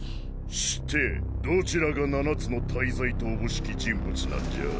してどちらが七つの大罪とおぼしき人物なんじゃ？